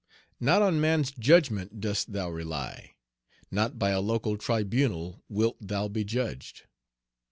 Not on man's judgment dost thou rely. Not by a local tribunal wilt thou be judged.